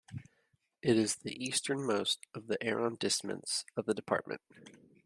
It is the easternmost of the arrondissements of the department.